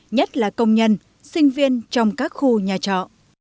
nhất là công nhân sinh viên trong các khu nhà trọ